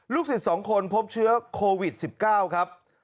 สิทธิ์๒คนพบเชื้อโควิด๑๙ครับ